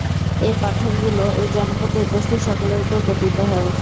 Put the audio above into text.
এ পাথরগুলো ঐ জনপদে উপস্থিত সকলের উপর পতিত হয়।